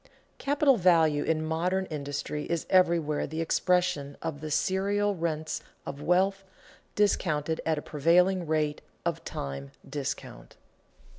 Capital value in modern industry is everywhere the expression of the serial rents of wealth, discounted at a prevailing rate of time discount.